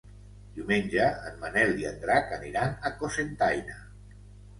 Diumenge en Manel i en Drac aniran a Cocentaina.